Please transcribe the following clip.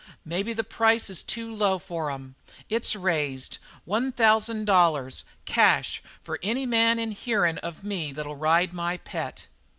Maybe the price is too low for 'em. It's raised. One thousand dollars cash for any man in hearin' of me that'll ride my pet."